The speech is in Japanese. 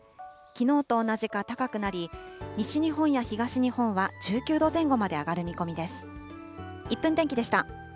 きのうと同じか高くなり、西日本や東日本は１９度前後まで上がる見込みです。